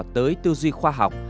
tới tư duy khoa học